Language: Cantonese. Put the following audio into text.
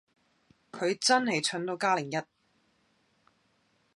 佢真係蠢到加零一